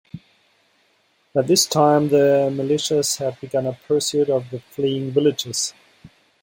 By this time the militias had begun a pursuit of the fleeing villagers.